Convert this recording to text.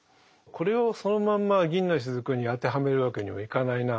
これをそのまんま「銀の滴」に当てはめるわけにはいかないな。